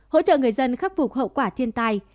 hỗ trợ người dân khắc phục hậu quả thiên tai